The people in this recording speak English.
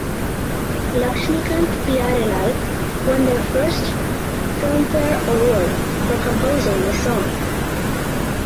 Laxmikant–Pyarelal won their first Filmfare award for composing this song.